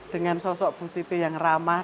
dengan sosok bu siti yang ramah